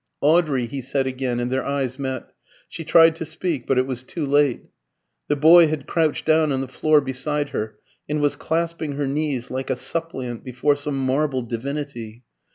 "Audrey," he said again, and their eyes met. She tried to speak, but it was too late. The boy had crouched down on the floor beside her, and was clasping her knees like a suppliant before some marble divinity.